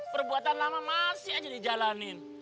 perbuatan lama masih aja di jalanin